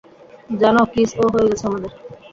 জানো, কিসও হয়ে গেছে আমাদের?